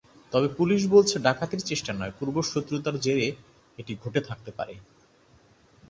তবে পুলিশ বলছে, ডাকাতির চেষ্টা নয়, পূর্বশত্রুতার জেরে এটি ঘটে থাকতে পারে।